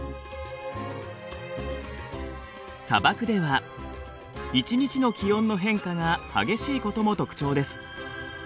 砂漠では一日の気温の変化が激しいことも特徴です。